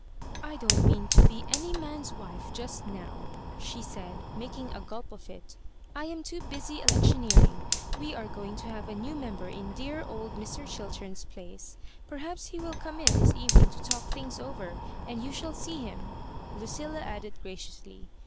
''I don't mean to be any man's wife just now," she said, making a gulp of it —" I am too busy electioneering; wo are going to have a new member in dear old Mr. Ohiltem's place. Perhaps he will come in this evening to talk things over, and you shall see him," Lucilla added, gradouedy.